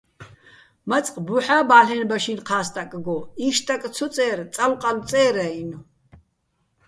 მაწყ ბუჰ̦ა́ ბალ'ენბა შინ-ჴა სტაკგო: იშტაკ ცო წე́რ, "წალო̆-ყალო̆" წერ-ა́ჲნო̆.